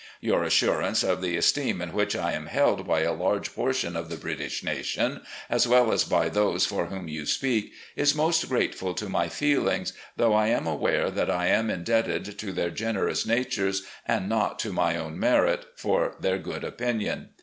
Your assurance of the esteem in which I am held by a large portion of the British nation, as well as by those for whom you speak, is most grateful to my feelings, though I am aware that I am indebted to their generous natmcs, and not to my own merit, for their good opinion.